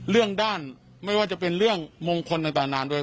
เรื่องด้านไม่ว่าจะเป็นเรื่องมงคลต่างนานโดย